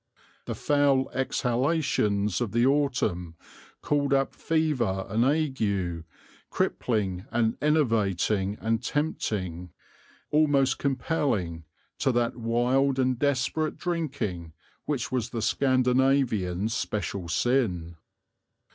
The foul exhalations of the autumn called up fever and ague, crippling and enervating, and tempting, almost compelling, to that wild and desperate drinking which was the Scandinavian's special sin.